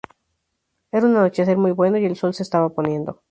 Era un anochecer muy bueno y el sol se estaba poniendo.